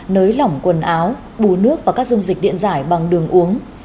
nới lỏng quần áo bù nước và các dung dịch điện giải bằng đường uống